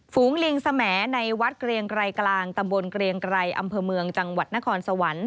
ฝูงลิงสมในวัดเกรียงไกรกลางตำบลเกรียงไกรอำเภอเมืองจังหวัดนครสวรรค์